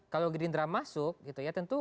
kalau gerindra masuk gitu ya tentu